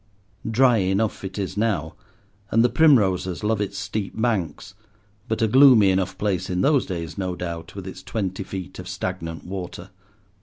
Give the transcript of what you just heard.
Dry enough it is now, and the primroses love its steep banks; but a gloomy enough place in those days, no doubt, with its twenty feet of stagnant water.